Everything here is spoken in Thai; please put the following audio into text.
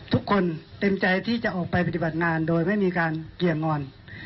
ทุกคนเต็มใจที่จะออกไปปฏิบัติงานโดยไม่มีการเกี่ยงอน